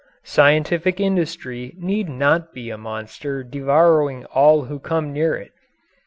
Scientific industry need not be a monster devouring all who come near it.